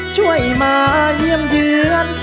ช่วยมาเยี่ยมเยือน